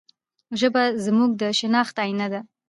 ژبه زموږ د شناخت آینه ده.